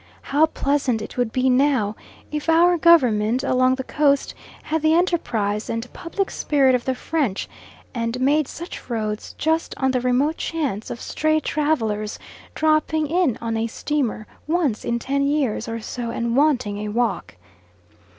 How pleasant it would be now, if our government along the Coast had the enterprise and public spirit of the French, and made such roads just on the remote chance of stray travellers dropping in on a steamer once in ten years or so and wanting a walk.